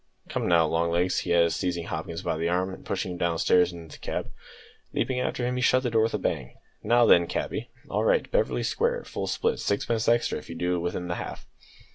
"Come now, Long legs," he added, seizing Hopkins by the arm and pushing him downstairs and into the cab. Leaping in after him he shut the door with a bang. "Now then, cabby, all right, Beverly Square, full split; sixpence extra if you do it within the half!"